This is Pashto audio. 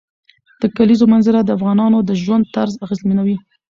د کلیزو منظره د افغانانو د ژوند طرز اغېزمنوي.